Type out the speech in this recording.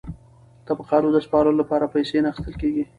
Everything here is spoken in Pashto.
د مقالو د سپارلو لپاره پیسې نه اخیستل کیږي.